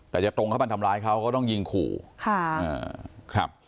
แต่จะตรงเข้ามาทำร้ายเขาก็ต้องยิงขู่ค่ะอ่าครับ